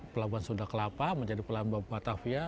pelabuhan sunda kelapa menjadi pelabuhan batavia